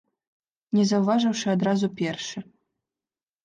Не заўважыўшы адразу першы.